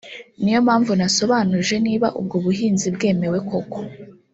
Ni yo mpamvu nasobanuje niba ubwo buhinzi bwemewe koko